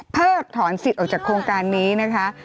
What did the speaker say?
ถอนสิทธิ์ออกจากโครงการนี้นะคะ